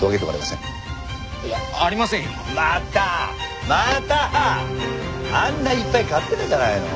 あんないっぱい買ってたじゃないの。